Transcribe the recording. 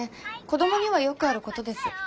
子どもにはよくあることです。